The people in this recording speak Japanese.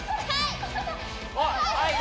はい！